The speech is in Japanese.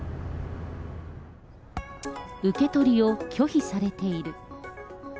受け取りを拒否されている。